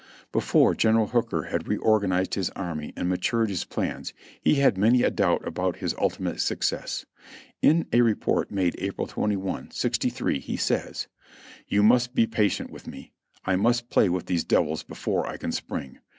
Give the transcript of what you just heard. Before General Hooker had reorganized his army and matured his plans he had many a doubt about his ultimate success. In a report made April 21, '63, he says: "You must be patient with me — I must play with these devils before I can spring.